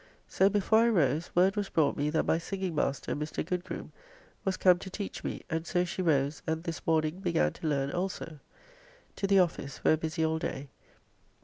So before I rose, word was brought me that my singing master, Mr. Goodgroome, was come to teach me and so she rose and this morning began to learn also. To the office, where busy all day.